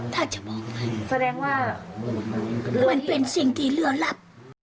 ถ้าจะบอกให้มันเป็นสิ่งที่เรือลับ